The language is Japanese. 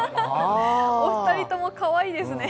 お二人ともかわいいですね。